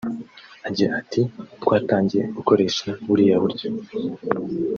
Agira ati “Twatangiye gukoresha buriya buryo